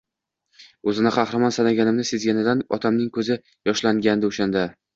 o‘zini qahramon sanaganimni sezganidan otamning ko‘zi yoshlangandi o‘shanda.